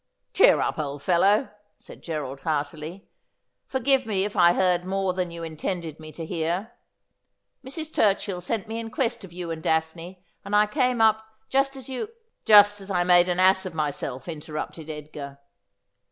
' Cheer up, old fellow,' said Gerald heartily. ' Forgive me if I heard more than you intended me to hear. Mrs. Turchill sent me in quest of you and Daphne, and I came up — just as you —'' J ust as I made an ass of myself,' interrupted Edgar.